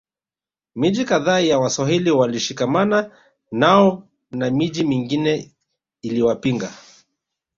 Miji kadhaa ya Waswahili walishikamana nao na miji mingine iliwapinga